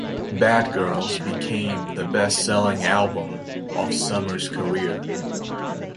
"Bad Girls" became the best-selling album of Summer's career.